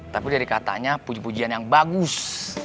tapi dari katanya puji pujian yang bagus